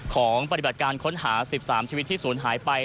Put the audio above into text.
ปฏิบัติการค้นหา๑๓ชีวิตที่ศูนย์หายไป